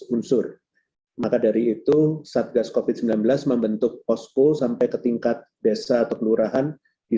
unsur maka dari itu satgas covid sembilan belas membentuk posko sampai ke tingkat desa atau kelurahan di